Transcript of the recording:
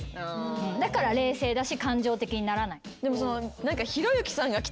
だから冷静だし感情的にならない。